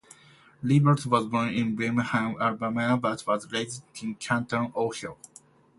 Levert was born in Birmingham, Alabama, but was raised in Canton, Ohio.